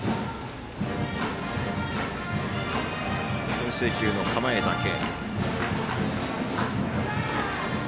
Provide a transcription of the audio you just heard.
けん制球の構えだけ。